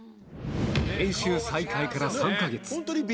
練習再開から３か月。